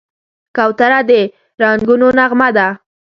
کوتره د رنګونو نغمه ده.